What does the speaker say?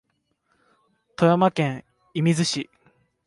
富山県射水市